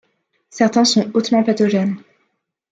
Certains sont hautement pathogènes.